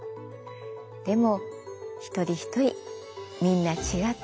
でも一人一人みんな違っていい。